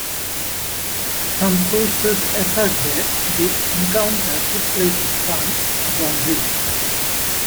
Some sources assert that the encounter took place on San Juan Bridge.